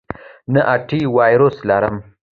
نه، انټی وایرس لرم